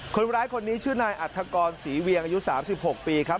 คนร้ายคนนี้ชื่อนายอัฐกรศรีเวียงอายุ๓๖ปีครับ